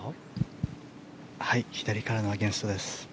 左からのアゲンストです。